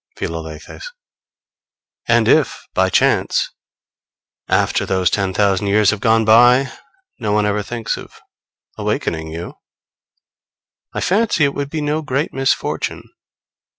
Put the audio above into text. Philalethes. And if by chance, after those ten thousand years have gone by, no one ever thinks of awakening you, I fancy it would be no great misfortune.